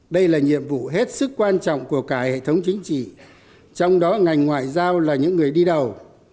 đây là nhiệm vụ hết sức quan trọng của cả hệ thống chính trị trong đó ngành ngoại giao là những người đi đầu